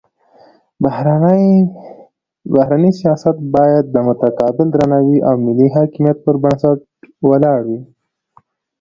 بهرنی سیاست باید د متقابل درناوي او ملي حاکمیت پر بنسټ ولاړ وي.